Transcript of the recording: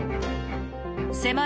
迫る